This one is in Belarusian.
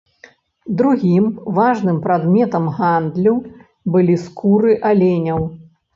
Другім важным прадметам гандлю былі скуры аленяў.